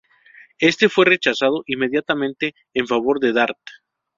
Éste fue rechazado inmediatamente en favor de Dart.